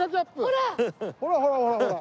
ほらほらほらほら。